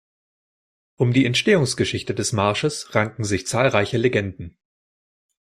Um die Entstehungsgeschichte des Marsches ranken sich zahlreiche Legenden.